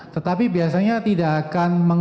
tetapi biasanya tidak akan